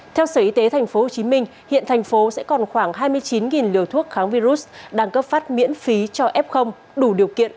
theo sở y tế tp hcm hiện thành phố sẽ còn khoảng hai mươi chín liều thuốc kháng virus đang cấp phát miễn phí cho f đủ điều kiện